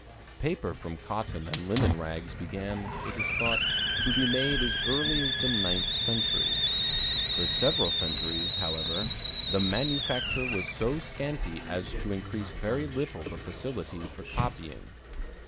Paper from cotton and linen rags began, it is thought, to be made as early as the ninth century. For several centuries, however, the manufacture was so scanty as to increase very little the facilities for copying.